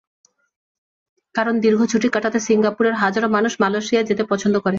কারণ, দীর্ঘ ছুটি কাটাতে সিঙ্গাপুরের হাজারো মানুষ মালয়েশিয়ায় যেতে পছন্দ করে।